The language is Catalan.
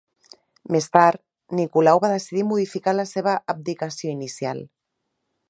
Més tard, Nicolau va decidir modificar la seva abdicació inicial.